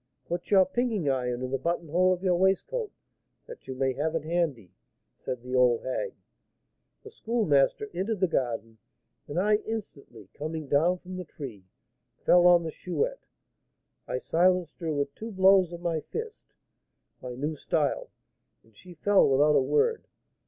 'Put your "pinking iron" in the buttonhole of your waistcoat, that you may have it handy,' said the old hag. The Schoolmaster entered the garden, and I instantly, coming down from the tree, fell on the Chouette. I silenced her with two blows of my fist, my new style, and she fell without a word.